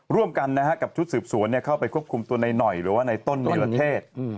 ร่วมกันกับชุดสืบสวนเข้าไปควบคุมตัวในหน่อยหรือว่าในต้นวิรเทศ